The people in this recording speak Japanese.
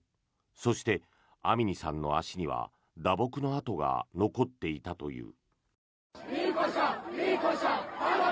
そして、アミニさんの足には打撲の痕が残っていたという。